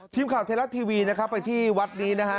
ทีมข่าวไทยรัฐทีวีนะครับไปที่วัดนี้นะฮะ